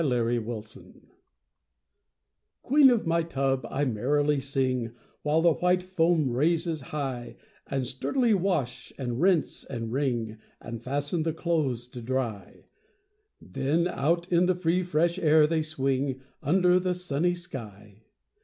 8 Autoplay Queen of my tub, I merrily sing, While the white foam raises high, And sturdily wash, and rinse, and wring, And fasten the clothes to dry; Then out in the free fresh air they swing, Under the sunny sky.